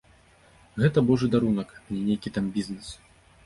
Гэта божы дарунак, а не нейкі там бізнэс.